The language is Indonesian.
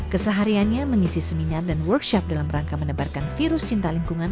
kesehariannya mengisi seminar dan workshop dalam rangka menebarkan virus cinta lingkungan